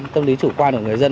tâm lý chủ quan của người dân